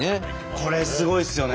これすごいですよね。